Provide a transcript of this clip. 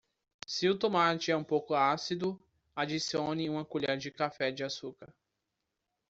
Se o tomate é um pouco ácido, adicione uma colher de café de açúcar.